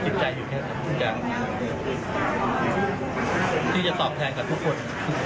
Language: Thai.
ที่จะตอบแทนกับทุกคน